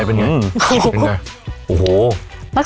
เป็นไง